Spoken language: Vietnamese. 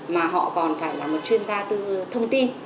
mà họ còn phải là một chuyên gia thông tin